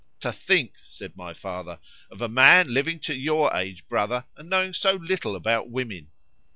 —To think, said my father, of a man living to your age, brother, and knowing so little about women!